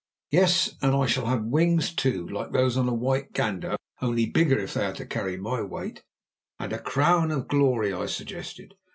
Yes, and I shall have wings, too, like those on a white gander, only bigger if they are to carry my weight." "And a crown of Glory," I suggested.